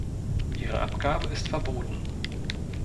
Ihre Abgabe ist verboten.